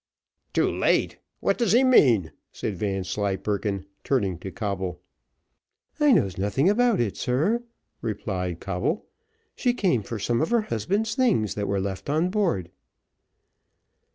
"Too late! what does he mean?" said Vanslyperken, turning to Coble. "I knows nothing about it, sir," replied Coble. "She came for some of her husband's things that were left on board."